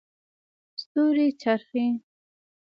ستوري څرڅي.